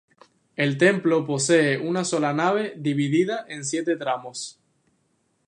El templo posee una sola nave dividida en siete tramos.